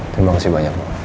terima kasih banyak pak